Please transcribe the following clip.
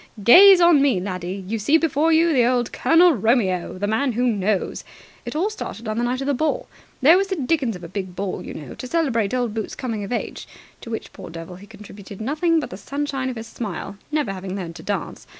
Gaze on me, laddie! You see before you old Colonel Romeo, the Man who Knows! It all started on the night of the ball. There was the dickens of a big ball, you know, to celebrate old Boots' coming of age to which, poor devil, he contributed nothing but the sunshine of his smile, never having learned to dance.